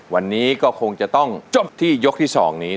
วันนี้ก็คงจะต้องจบที่ยกที่๒นี้